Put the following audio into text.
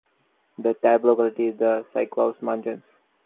The type locality is the Cyclops Mountains.